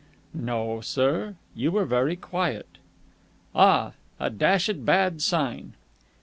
"No, sir. You were very quiet." "Ah! A dashed bad sign!"